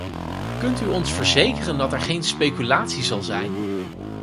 Kunt u ons verzekeren dat er geen speculatie zal zijn?